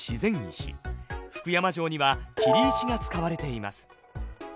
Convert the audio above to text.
福山城には切石が使われています。